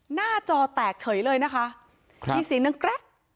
หน้าจอแตกเฉยเลยนะคะอีสินก็แกร๊ะ